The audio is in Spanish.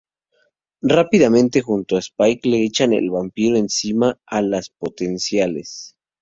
Rápidamente junto a Spike le echan el vampiro encima a las Potenciales.